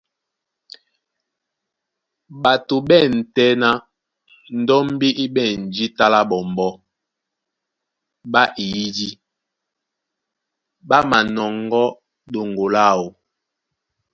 Ɓato ɓá ɛ̂n tɛ́ ná ndɔ́mbí í ɓɛ̂n jǐta lá ɓɔmbɔ́ ɓá eyìdí, ɓá manɔŋgɔ́ ɗoŋgo láō.